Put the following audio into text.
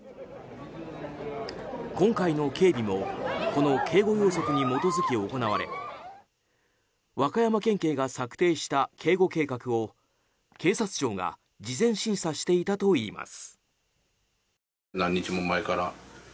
今回の警備もこの警護要則に基づき行われ和歌山県警が策定した警護計画を警察庁が事前審査していたといいます。